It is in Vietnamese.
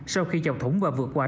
sau khi chọc thủng và vượt qua